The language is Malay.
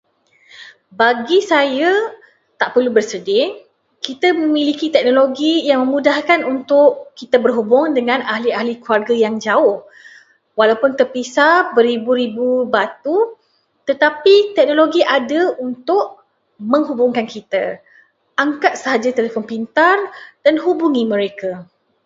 Bagi saya, tak perlu bersedih. Kita memiliki teknologi yang memudahkan untuk kita berhubung dengan ahli-ahli keluarga yang jauh. Walaupun terpisah beribu-ribu batu, tetapi teknologi ada untuk menghubungkan kita. Angkat saja telefon pintar dan hubungi mereka.